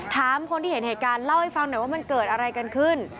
ถามคนที่เห็นเหตุการณ์เล่าให้ฟังหน่อยว่ามันเกิดอะไรกันขึ้น